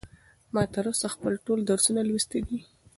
ما تر اوسه خپل ټول درسونه لوستي دي.